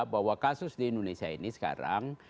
bahwa kasus di indonesia ini sekarang